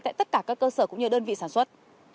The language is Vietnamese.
tại tất cả các cơ sở cũng như đơn vị sản xuất